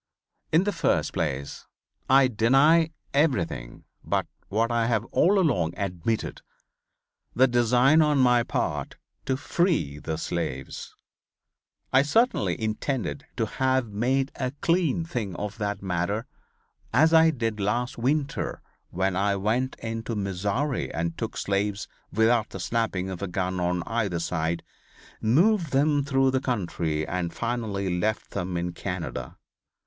In the first place I deny everything but what I have all along admitted, the design on my part to free the slaves. I certainly intended to have made a clean thing of that matter as I did last winter when I went into Missouri and took slaves without the snapping of a gun on either side, moved them through the country and finally left them in Canada.